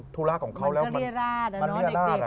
ธุระของเขาแล้วมันก็เรียราดอะเนอะ